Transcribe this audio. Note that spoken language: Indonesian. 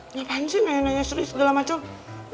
ngapain sih nenek nenek serius segala macem